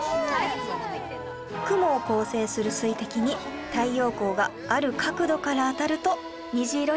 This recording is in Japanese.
雲を構成する水滴に太陽光がある角度から当たると虹色に輝くんです！